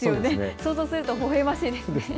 想像するとほほえましいですね。